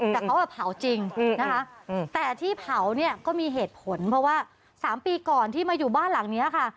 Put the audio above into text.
แต่เขาเผาจริงนะคะแต่ที่เผาเนี่ยก็มีเหตุผลเพราะว่า๓ปีก่อนที่มาอยู่บ้านหลังนี้ค่ะ